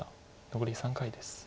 残り３回です。